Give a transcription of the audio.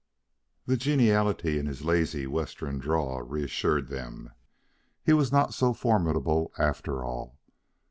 The geniality in his lazy Western drawl reassured them. He was not so formidable, after all.